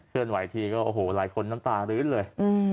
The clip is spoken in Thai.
ไหวทีก็โอ้โหหลายคนน้ำตาลื้นเลย